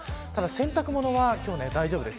洗濯物は今日は大丈夫です。